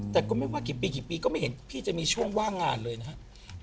แต่ก็ไม่ว่ากี่ปีกี่ปีก็ไม่เห็นพี่จะมีช่วงว่างงานเลยนะครับ